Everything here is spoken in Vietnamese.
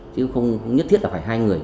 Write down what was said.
chứ không nhất thiết là phải hai người